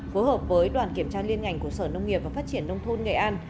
phối hợp với đoàn kiểm tra liên ngành của sở nông nghiệp và phát triển nông thôn nghệ an